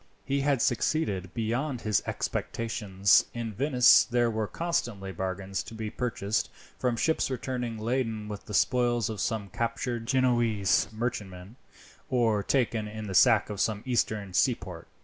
He had succeeded beyond his expectations. In Venice there were constantly bargains to be purchased from ships returning laden with the spoils of some captured Genoese merchantman, or taken in the sack of some Eastern seaport.